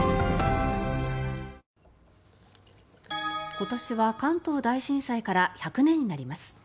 今年は関東大震災から１００年になります。